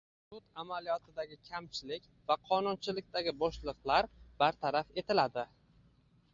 Sud amaliyotidagi kamchilik va qonunchilikdagi bo‘shliqlar bartaraf etiladi